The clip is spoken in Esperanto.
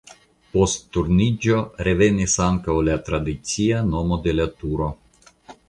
Post Turniĝo revenis ankaŭ la tradicia nomo de la turo.